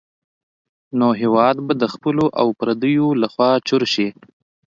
نو هېواد به د خپلو او پردیو لخوا چور شي.